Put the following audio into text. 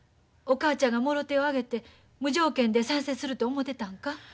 お母ちゃんがもろ手を挙げて無条件で賛成すると思てたんか？